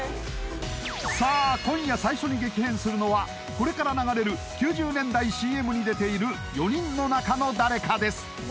さあ今夜最初に激変するのはこれから流れる９０年代ＣＭに出ている４人の中の誰かです